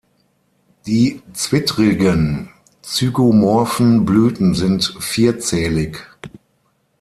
Die zwittrigen, zygomorphen Blüten sind vierzählig.